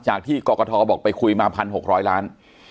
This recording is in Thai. จากที่กรกฐบอกไปคุยมา๑๖๐๐ล้าน